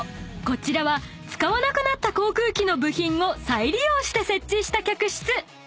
こちらは使わなくなった航空機の部品を再利用して設置した客室ウイングルーム］